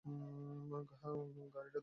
গাড়িটা ধার নেবো।